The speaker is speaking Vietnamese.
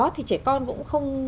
thì trẻ con cũng không